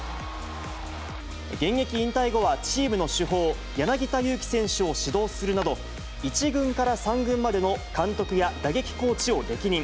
現役引退後は、チームの主砲、柳田悠岐選手を指導するなど、１軍から３軍までの監督や打撃コーチを歴任。